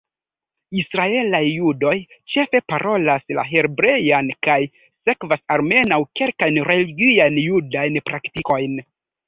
Israelaj judoj ĉefe parolas la hebrean kaj sekvas almenaŭ kelkajn religiajn judajn praktikojn.